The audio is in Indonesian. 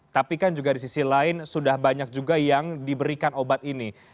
tapi kan juga di sisi lain sudah banyak juga yang diberikan obat ini